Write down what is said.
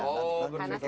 karena sampah ya